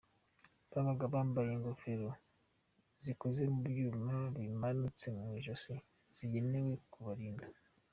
Babaga bambaye ingofero zikoze mu byuma zimanutse mu ijosi zigenewe kubarinda.